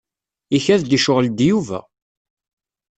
Ikad-d icɣel-d Yuba.